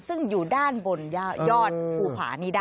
ซึ่งอยู่ด้านบนยอดภูผานี้ได้